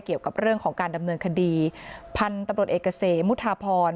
เกี่ยวกับเรื่องของการดำเนินคดีพันธุ์ตำรวจเอกเกษมมุทาพร